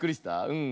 うん。